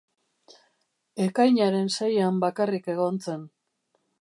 Ekainaren seian bakarrik egon zen.